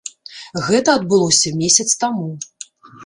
Гэта адбылося месяц таму.